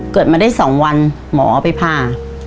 เกิดมาได้๒วันหมอเอาไปพา